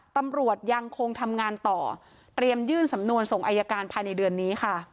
ตำรวจยังคงทำงานต่อเตรียมยื่นสำนวนส่งอายการภายในเดือนนี้ค่ะ